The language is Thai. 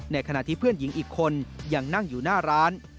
ขณะที่เพื่อนหญิงอีกคนยังนั่งอยู่หน้าร้าน